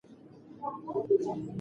محکمې ته یې مېرمن کړه را حضوره